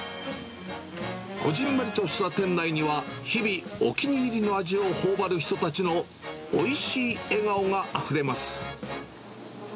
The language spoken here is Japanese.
こぢんまりとした店内には、日々、お気に入りの味をほおばる人たちの、おいしい笑顔があふれます。